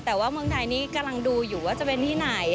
แต่ว่าเมืองไทยนี่กำลังดูอยู่ว่าจะเป็นที่ไหน